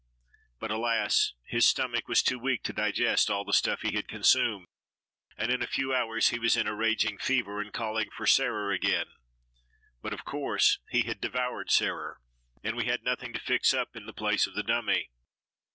But, alas! his stomach was too weak to digest all the stuff he had consumed and in a few hours he was in a raging fever and calling for "Sarer" again. But, of course, he had devoured "Sarer," and we had nothing to fix up in the place of the dummy.